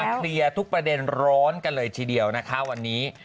เคลียร์ทุกประเด็นร้อนกันเลยทีเดียวนะคะวันนี้